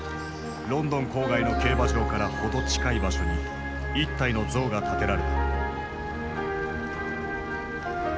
ロンドン郊外の競馬場から程近い場所に一体の像が建てられた。